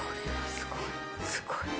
すごい。